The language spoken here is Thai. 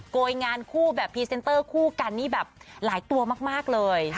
โกยงานคู่แบบพรีเซนเตอร์คู่กันนี่แบบหลายตัวมากเลย